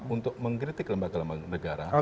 untuk mengkritik lembaga negara